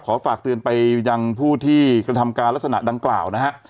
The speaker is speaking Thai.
ฝากเตือนไปยังผู้ที่กระทำการลักษณะดังกล่าวนะฮะ